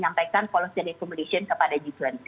sampaikan policy recommendation kepada g dua puluh